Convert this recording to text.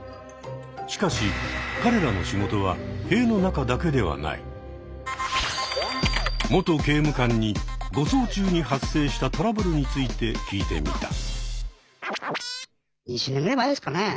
しかし彼らの仕事は元刑務官に護送中に発生したトラブルについて聞いてみた。